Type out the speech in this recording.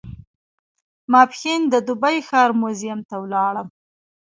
ماپښین د دوبۍ ښار موزیم ته ولاړم.